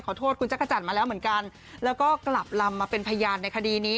โทษคุณจักรจันทร์มาแล้วเหมือนกันแล้วก็กลับลำมาเป็นพยานในคดีนี้